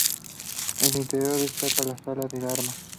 En su interior destaca la Sala de Armas.